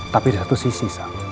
tapi ada satu sisi